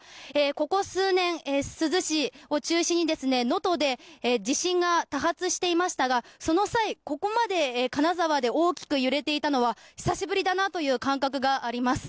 ここ数年、珠洲市を中心に能登で地震が多発していましたがその際ここまで金沢で大きく揺れていたのは久しぶりだなという感覚があります。